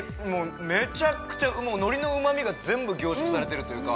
めちゃくちゃ海苔のうま味が全部凝縮されてるっていうか